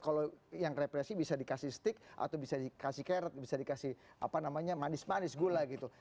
kalau yang represi bisa dikasih stick atau bisa dikasih carrot bisa dikasih apa namanya manis manis gula gitu